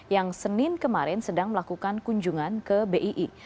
yang senin kemarin sedang melakukan kunjungan ke bii